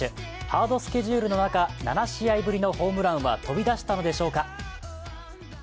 ハードスケジュールの中、７試合ぶりのホームランは飛び出したのでしょうか。